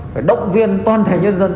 phải động viên toàn thể nhân dân